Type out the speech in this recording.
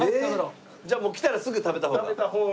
じゃあもう来たらすぐ食べた方がいいですね。